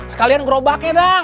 sekalian gerobaknya dang